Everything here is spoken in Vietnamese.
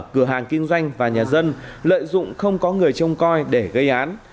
cửa hàng kinh doanh và nhà dân lợi dụng không có người trông coi để gây án